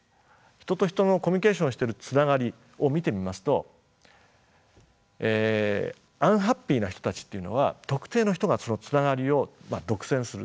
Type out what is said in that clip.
人と人のコミュニケーションをしてるつながりを見てみますとアンハッピーな人たちというのは特定の人がそのつながりを独占する。